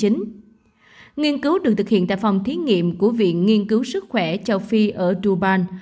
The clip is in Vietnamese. nghiên cứu được thực hiện tại phòng thí nghiệm của viện nghiên cứu sức khỏe châu phi ở duban